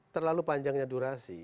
terlalu panjangnya durasi